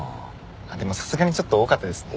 でもさすがにちょっと多かったですね。